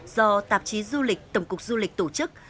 do tạp chí du lịch tổng cục du lịch tổ chức